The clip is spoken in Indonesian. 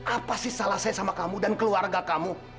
apa sih salah saya sama kamu dan keluarga kamu